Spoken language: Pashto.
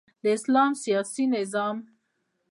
د اسلام سیاسی نظام